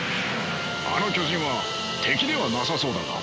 あの巨人は敵ではなさそうだが。